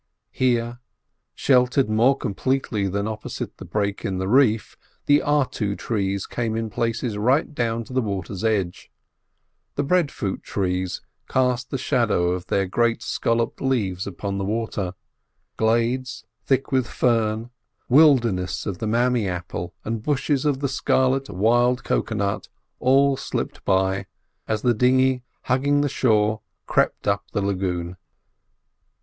Here, sheltered more completely than opposite the break in the reef, the artu trees came in places right down to the water's edge; the breadfruit trees cast the shadow of their great scalloped leaves upon the water; glades, thick with fern, wildernesses of the mammee apple, and bushes of the scarlet "wild cocoa nut" all slipped by, as the dinghy, hugging the shore, crept up the lagoon.